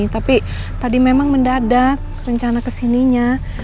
tapi tadi memang mendadak rencana kesininya